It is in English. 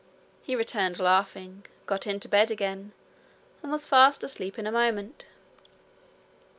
He returned laughing, got into bed again, and was fast asleep in a moment.